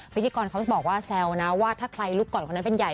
พิธีกรเขาบอกว่าแซวนะว่าถ้าใครลุกก่อนคนนั้นเป็นใหญ่